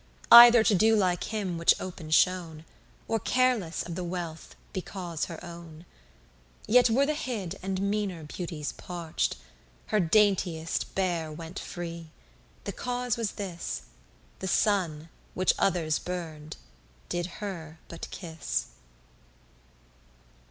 Either to do like him which open shone, Or careless of the wealth because her own: Yet were the hid and meaner beauties parch'd, Her daintiest bare went free; the cause was this, The Sun, which others burn'd, did her but kiss.